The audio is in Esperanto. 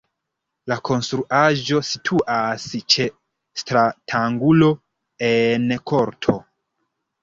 La konstruaĵo situas ĉe stratangulo en korto.